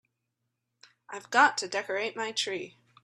I've got to decorate my tree.